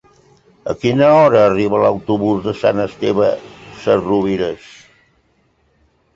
A quina hora arriba l'autobús de Sant Esteve Sesrovires?